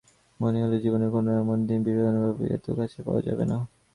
মনে হল, জীবনে কোনোদিন এমন নিবিড় করে অভাবনীয়কে এত কাছে পাওয়া যাবে না।